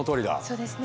そうですね。